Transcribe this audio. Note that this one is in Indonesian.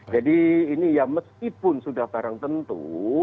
jadi ini ya meskipun sudah barang tentu